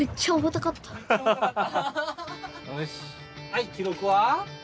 はい記録は？